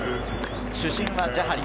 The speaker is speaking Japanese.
主審はジャハリ。